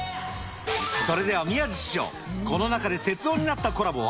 それでは宮治師匠、この中で雪像になったコラボは？